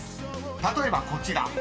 ［例えばこちら］